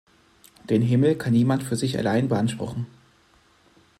Den Himmel kann niemand für sich allein beanspruchen.